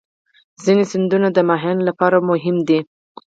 ځینې سیندونه د ماهیانو لپاره مهم دي.